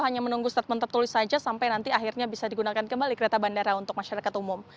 hanya menunggu statement tertulis saja sampai nanti akhirnya bisa digunakan kembali kereta bandara untuk masyarakat umum